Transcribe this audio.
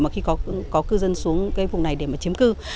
mà khi có cư dân xuống cái vùng này để mà chiếm cư